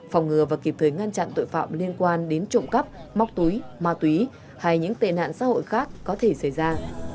phòng ngừa và kịp thời ngăn chặn tội phạm liên quan đến trộm cắp móc túi ma túy hay những tệ nạn xã hội khác có thể xảy ra